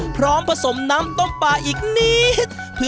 พร้อมผสมน้ำต้มปลาอีกนิด